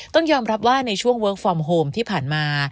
ต้องยอมรับว่าในช่วงเวิร์คฟอร์มโฮมที่ผ่านมา